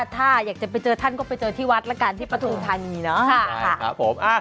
ถ้าอยากจะไปเจอท่านก็ไปเจอที่วัดละกันที่ปฐุมธานีเนาะ